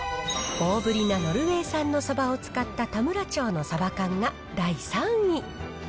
大ぶりなノルウェー産のサバを使った田村長のサバ缶が第３位。